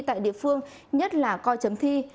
tại địa phương nhất là coi chấm thi